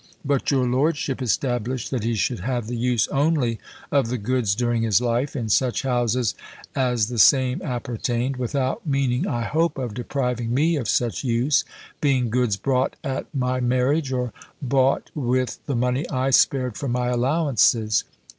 But your lordship established that he should have the use only of the goods during his life, in such houses as the same appertained, without meaning, I hope, of depriving me of such use, being goods brought at my marriage, or bought with the money I spared from my allowances.